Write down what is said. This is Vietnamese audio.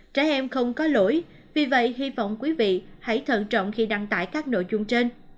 trẻ em không có lỗi vì vậy hy vọng quý vị hãy thận trọng khi đăng tải các nội dung trên